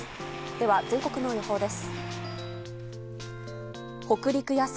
では、全国の予報です。